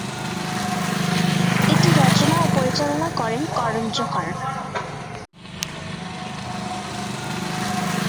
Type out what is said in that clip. এটি রচনা ও পরিচালনা করেন করণ জোহর।